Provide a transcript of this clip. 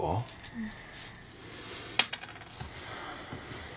うん。